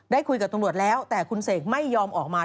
คุยกับตำรวจแล้วแต่คุณเสกไม่ยอมออกมา